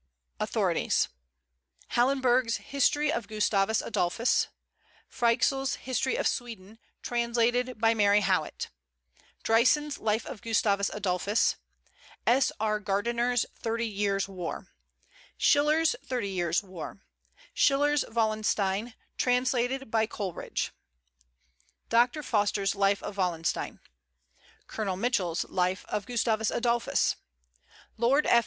AUTHORITIES. Hallenberg's History of Gustavus Adolphus; Fryxell's History of Sweden, translated by Mary Howitt; Dreysen's Life of Gustavus Adolphus; S.R. Gardiner's Thirty Years' War; Schiller's Thirty Years' War; Schiller's Wallenstein, translated by Coleridge; Dr. Foster's Life of Wallenstein; Colonel Mitchell's Life of Gustavus Adolphus; Lord F.